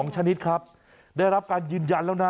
ชนิดครับได้รับการยืนยันแล้วนะ